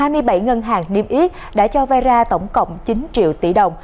hai mươi bảy ngân hàng niêm yết đã cho vay ra tổng cộng chín triệu tỷ đồng